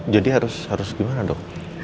jadi harus gimana dok